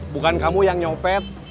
bukan kamu yang nyopet